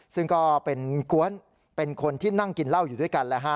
ซึ่งก็เป็นคนที่นั่งกินเหล้าอยู่ด้วยกันนะฮะ